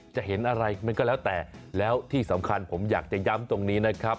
จะเห็นอะไรมันก็แล้วแต่แล้วที่สำคัญผมอยากจะย้ำตรงนี้นะครับ